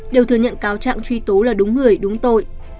đều thừa nhận cáo trạng truy tố là đúng người đúng tội